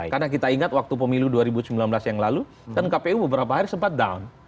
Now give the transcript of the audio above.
karena kita inget waktu pemilu dua ribu sembilan belas yang lalu kan kpu beberapa hari sempat down